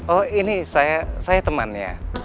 oh ini saya temannya